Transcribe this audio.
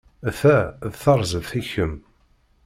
Ta d tarzeft i kemm.